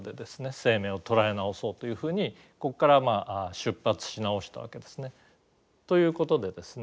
生命を捉え直そうというふうにここからまあ出発し直したわけですね。ということでですね